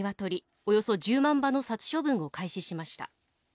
およそ１０万羽の殺処分を開始しました